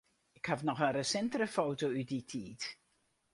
Ik haw noch in resintere foto út dy tiid.